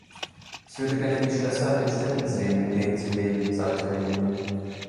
„Ich würde gerne die Schlösser in den Städten sehen, in denen sie leben“, sagte der Junge.